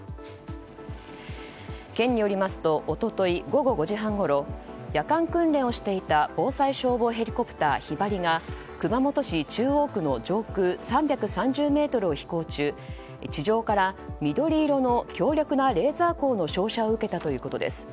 県によりますと一昨日、午後５時半ごろ夜間訓練をしていた防災消防ヘリコプター「ひばり」が熊本市中央区の上空３３０ｍを飛行中地上から、緑色の強力なレーザー光の照射を受けたということです。